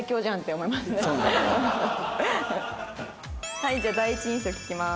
はいじゃあ第一印象聞きます。